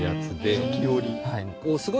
はい。